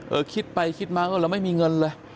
คิดไปคิดมาเออเราไม่มีเงินเลย